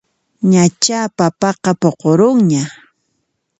Ñachá papaqa puqurunña